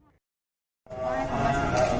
แล้วเมื่อวานแบงค์อยู่ไหนเมื่อวาน